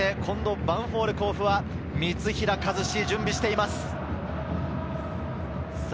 ヴァンフォーレ甲府は三平和司が準備しています。